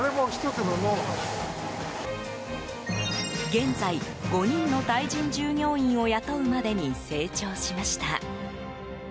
現在、５人のタイ人従業員を雇うまでに成長しました。